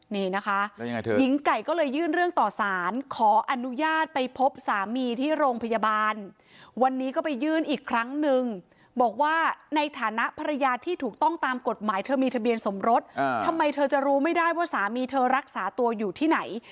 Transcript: นี่นะคะหญิงไก่ก็เลยยื่นเรื่องต่อสารขออนุญาตไปพบสามีที่โรงพยาบาลวันนี้ก็ไปยื่นอีกครั้งนึงบอกว่าในฐานะภรรยาที่ถูกต้องตามกฎหมายเธอมีทะเบียนสมรสทำไมเธอจะรู้ไม่ได้ว่าสามีเธอรักษาตัวอยู่ที่ไหน